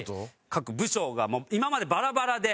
各部署がもう今までバラバラで。